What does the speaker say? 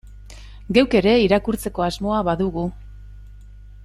Geuk ere irakurtzeko asmoa badugu.